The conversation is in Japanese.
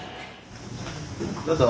どうぞ。